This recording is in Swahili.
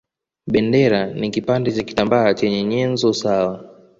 Bendera ni kipande cha kitambaa chenye nyenzo sawa